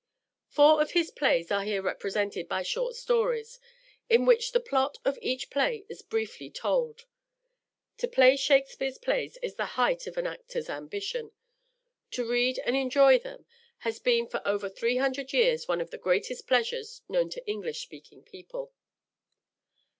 Four of his plays are here represented by short stories, in which the plot of each play is briefly told. To play Shakespeare's plays is the height of an actor's ambition. To read and enjoy them has been for over three hundred years one of the greatest pleasures known to English speaking people.